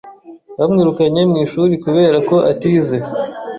Bamwirukanye mu ishuri kubera ko atize.